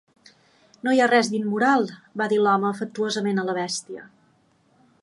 "No hi ha res d'immoral", va dir l'home afectuosament a la bèstia.